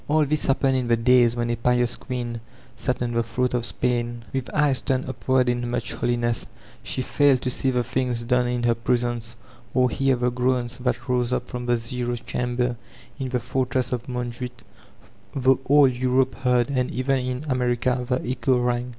An this happened in the days when a pknis queen sat on the throne of Spain. >^th eyes turned upward in much holiness, she failed to see the things done in her prisons, or hear the groans that rose up from the ''zero'* chamber in the fortress of Montjuich, though all Europe heard, and even in America the echo rang.